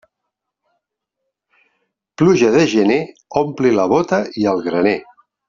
Pluja de gener ompli la bóta i el graner.